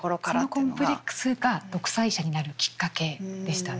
そのコンプレックスが独裁者になるきっかけでしたね。